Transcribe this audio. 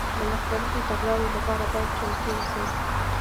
د مختلفو تګلارو لپاره باید چمتو واوسو.